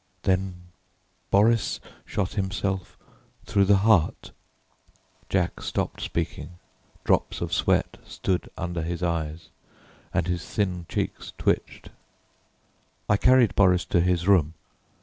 Then Boris shot himself through the heart." Jack stopped speaking, drops of sweat stood under his eyes, and his thin cheeks twitched. "I carried Boris to his room.